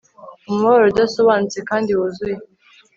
Umubabaro udasobanutse kandi wuzuye